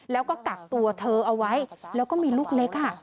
แล้วก็กักตัวเธอเอาไว้แล้วก็มีลูกเล็ก